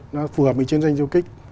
nó phù hợp với chiến tranh châu kích